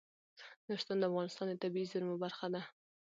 نورستان د افغانستان د طبیعي زیرمو برخه ده.